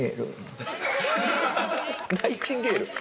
ないチンゲール。